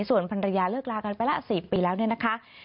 ส่วนภรรยาเลิกลากันไปละ๔ปีแล้วเนี่ยนะคะ